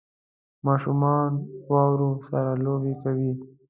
ماشومان واورو سره لوبې کوي